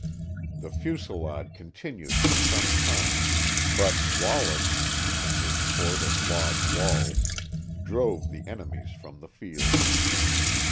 The fusilade continued for some time, but Wallace, in his fort of log walls, drove the enemies from the field.